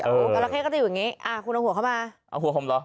จราเข้ก็จะอยู่อย่างนี้อ่าคุณเอาหัวเข้ามาเอาหัวผมเหรอ